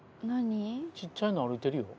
ちっちゃいの歩いてるよ。